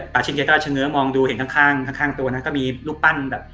ปาชินทรัพย์เฉงือมองดูเห็นข้างตัวนั้นก็มีลูกปั้นแบบ